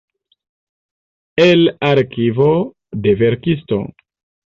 El arkivo de verkisto.